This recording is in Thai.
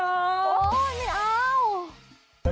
โอ้โหไม่เอา